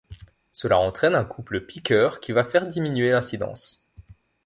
Cela entraîne un couple piqueur qui va faire diminuer l'incidence.